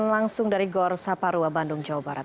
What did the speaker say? langsung dari gor saparua bandung jawa barat